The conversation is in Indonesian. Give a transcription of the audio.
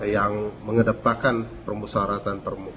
yang mengedepankan permusaraan permukaan